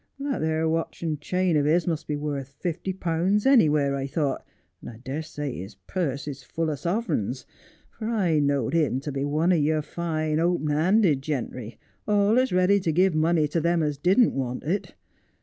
That 'ere watch and chain of his must be worth fifty pounds anywheres, I thought, and I dessay his purse is full o' sovereigns ; for I knowed him to be one o' your fine, open handed gentry, alius ready to give money to them as didn't want it.